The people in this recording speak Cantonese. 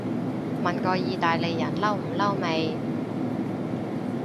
問過意大利人嬲唔嬲未